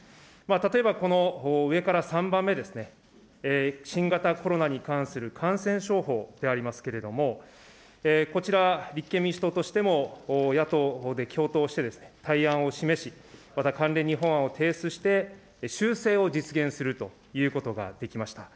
例えば、この上から３番目ですね、新型コロナに関する感染症法でありますけれども、こちら、立憲民主党としても野党で共闘してですね、対案を示し、また関連２法案を提出して、修正を実現するということができました。